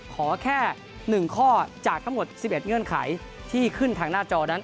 ขอแค่๑ข้อจากทั้งหมด๑๑เงื่อนไขที่ขึ้นทางหน้าจอนั้น